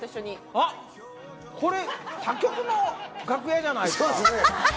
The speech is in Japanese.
これ他局の楽屋じゃないですか。